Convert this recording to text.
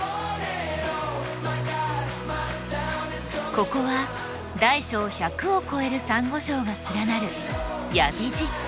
ここは大小１００を超えるサンゴ礁が連なる八重干瀬。